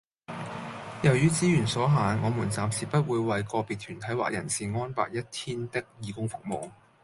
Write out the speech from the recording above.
由於資源所限，我們暫時不會為個別團體或人士安排一天的義工服務